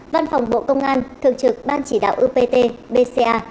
văn phòng bộ công an thường trực ban chỉ đạo upt bca